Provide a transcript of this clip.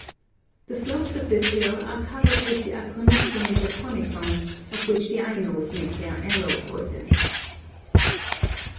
The slopes of this hill are covered with the Aconitum Japonicum, of which the Ainos make their arrow poison.